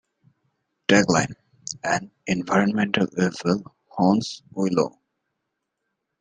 Tagline: "An environmental evil haunts Willow".